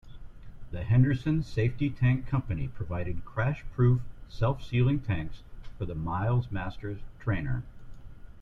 The Henderson Safety Tank company provided crash-proof self-sealing tanks for the Miles Master trainer.